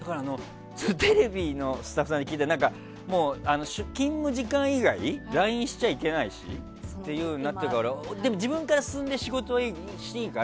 テレビのスタッフさんに聞いたら勤務時間以外ＬＩＮＥしちゃいけないっていうふうになったから自分から進んで仕事を。